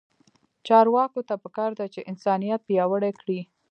چارواکو ته پکار ده چې، انسانیت پیاوړی کړي.